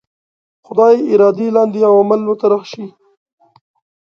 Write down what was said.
خدای ارادې لاندې عوامل مطرح شي.